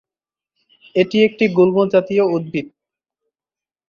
এটি একটি গুল্ম জাতীয় উদ্ভিদ।